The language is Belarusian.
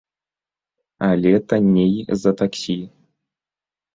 Але танней за таксі.